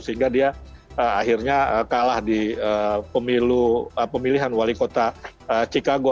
sehingga dia akhirnya kalah di pemilihan wali kota chicago